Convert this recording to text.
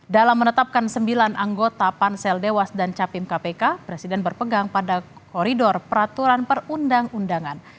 dalam menetapkan sembilan anggota pansel dewas dan capim kpk presiden berpegang pada koridor peraturan perundang undangan